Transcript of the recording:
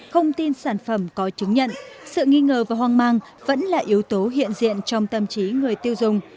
không tin sản phẩm có chứng nhận sự nghi ngờ và hoang mang vẫn là yếu tố hiện diện trong tâm trí người tiêu dùng